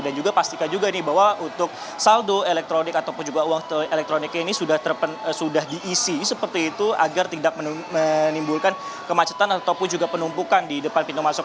dan juga pastikan juga ini bahwa untuk saldo elektronik ataupun juga uang elektronik ini sudah diisi seperti itu agar tidak menimbulkan kemacetan ataupun juga penumpukan di depan pintu masuk